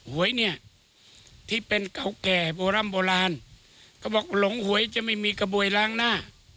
หวยเนี่ยที่เป็นเก่าแก่โบร่ำโบราณเขาบอกหลงหวยจะไม่มีกระบวยล้างหน้า